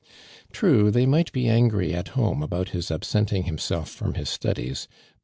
TrUe, they might be angry at home about his ab senting himself from his studies, but the ARMAND DDltAM1>.